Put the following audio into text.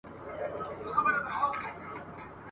مسافرو وو خپل مرګ داسي هېر کړی !.